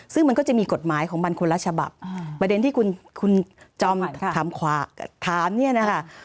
ซึ่งมันก็จะมีกฎหมายของมันคนละฉบับประเด็นที่คุณจอมถามเนี่ยนะคะ